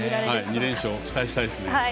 ２連勝期待したいですね。